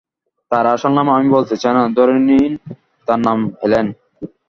তার আসল নাম আমি বলতে চাই না, ধরে নিই তার নাম এলেন।